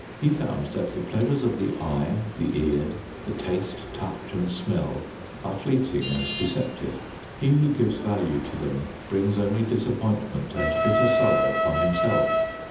He found that the pleasures of the eye, the ear, the taste, touch and smell are fleeting and deceptive: he who gives value to them brings only disappointment and bitter sorrow upon himself.